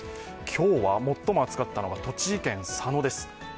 今日は最も暑かったのが栃木県佐野です。